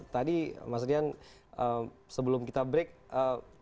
tadi mas rian sebelum kita break